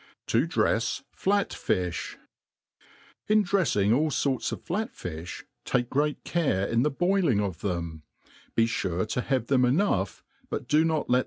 'To drefs Flat Fijh. IN dreffing all forts of flat fifb, take great care in the boiling of them ; be fure to have them enough, but do not \tt.